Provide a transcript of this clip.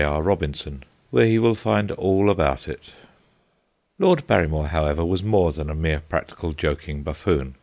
R. Robinson, where he will find all about it. Lord Barrymore, however, was more than a mere practical joking buffoon.